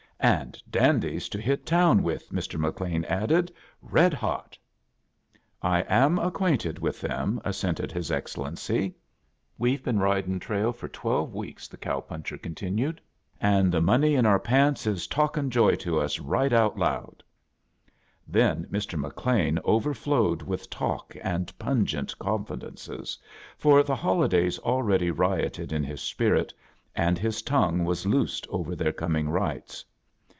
" And dandies to hit townwith,"Mr.McLeanadded. "Redhot." " I am acquainted with them," assented his Excellency. "Ve've been ridin' trail for twdve weeks," the cow pimcb^ continued, and the money in oor pants is talkin' Joy to OS right out loud." iThen Mr. IBbLean overflowed with talk and portent confidences, for the holi days already rioted in his spirit, and his tongue was loosed over their coming rites.